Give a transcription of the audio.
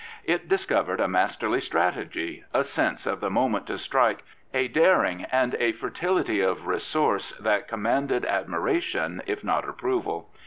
It discovered a masterly strategy, a sense of the moment to strike, a daring and a fertility of resource that commanded admiration, if not approval.